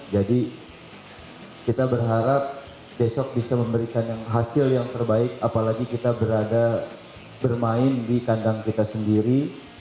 jadi kita berharap besok bisa memberikan hasil yang terbaik apalagi kita berada bermain di kandang kita sendiri